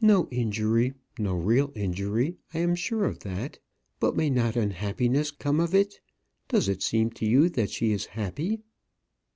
"No injury, no real injury I am sure of that. But may not unhappiness come of it? Does it seem to you that she is happy?"